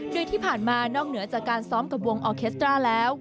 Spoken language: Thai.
โดยที่ผ่านมานอกเหนือจากการซ้อมกับวงออเคสตราแล้ว